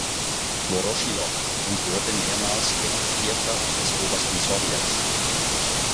Woroschilow“ und wurde mehrmals Deputierter des Obersten Sowjets.